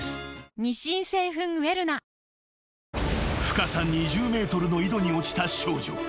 ［深さ２０ｍの井戸に落ちた少女］